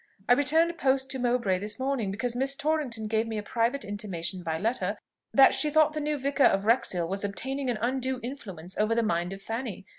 I returned post to Mowbray this morning, because Miss Torrington gave me a private intimation by letter, that she thought the new Vicar of Wrexhill was obtaining an undue influence over the mind of Fanny.